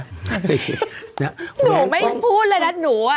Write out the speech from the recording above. หนูไม่พูดเลยนะหนูอ่ะ